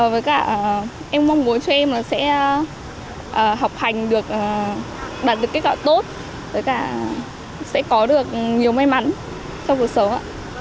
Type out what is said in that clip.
với cả em mong muốn cho em sẽ học hành được đạt được kết quả tốt với cả sẽ có được nhiều may mắn trong cuộc sống ạ